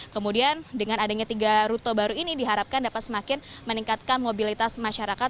kemudian dengan adanya tiga rute baru ini diharapkan dapat semakin meningkatkan mobilitas masyarakat